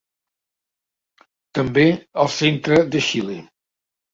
També al centre de Xile.